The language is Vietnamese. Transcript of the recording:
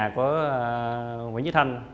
của nguyễn trí thanh